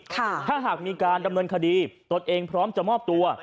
ถ้าหากมีการดำเนินคดีตนเองพร้อมจะมอบตัว